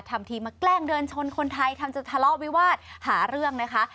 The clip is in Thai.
ทำทีมาแกล้งเดินชนคนไทยทำจะทะเลาะวิวาสหาเรื่องนะคะ